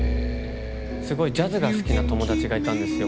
すごいジャズが好きな友達がいたんですよ